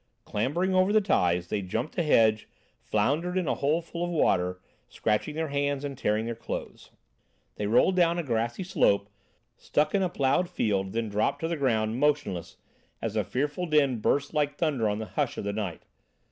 Clambering over the ties, they jumped a hedge, floundered in a hole full of water, scratching their hands and tearing their clothes; they rolled down a grassy slope, stuck in a ploughed field, then dropped to the ground, motionless, as a fearful din burst like thunder on the hush of the night.